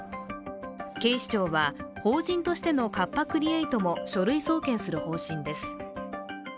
警視庁は、法人としてのカッパ・クリエイトも書類送検する方針です。